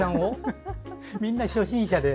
みんな初心者で。